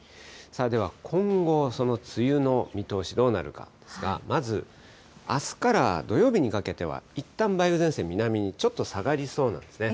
では今後、その梅雨の見通し、どうなるかですが、まず、あすから土曜日にかけては、いったん梅雨前線、南にちょっと下がりそうなんですね。